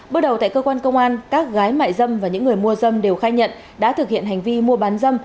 bước đầu tại cơ quan công an các gái mại dâm và những người mua dâm đều khai nhận đã thực hiện hành vi mua bán dâm